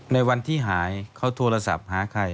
ในวันที่หายเขาโทรศัพท์หาใคร